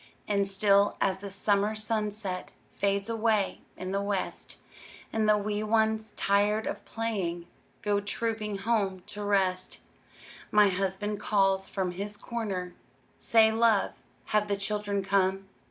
And still, as the summer sunset Fades away in the west, And the wee ones, tired of playing, Go trooping home to rest, My husband calls from his corner, "Say, love, have the children come?"